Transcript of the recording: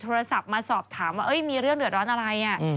โทรศัพท์มาสอบถามว่ามีเรื่องเดือดร้อนอะไร